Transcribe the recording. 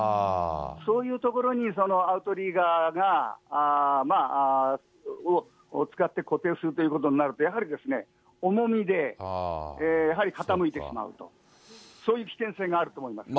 そういうところにそのアウトリガーを使って固定することになると、やはり重みで、やはり傾いてしまうと、そういう危険性があると思いますね。